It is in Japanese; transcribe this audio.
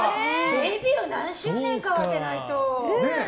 デビュー何周年かは当てないと！